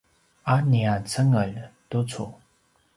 a nia cengelj tucu